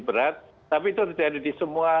berat tapi itu terjadi di semua